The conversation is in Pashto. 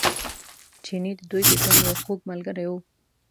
چیني د دوی د ژوند یو خوږ ملګری و.